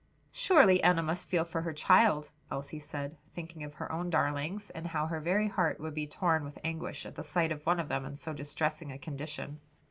"Surely Enna must feel for her child!" Elsie said, thinking of her own darlings and how her very heart would be torn with anguish at the sight of one of them in so distressing a condition.